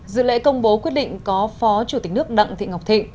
dự lễ công bố quyết định có phó chủ tịch nước đặng thị ngọc thịnh